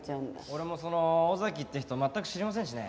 俺もその尾崎って人全く知りませんしね。